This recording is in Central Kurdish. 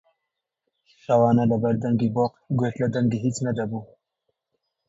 شەوانە لەبەر دەنگی بۆق گوێت لە دەنگی هیچ نەدەبوو